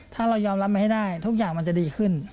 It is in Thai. ถ้าเรายอมรับมาให้ได้ทุกอย่างมันจะดีขึ้น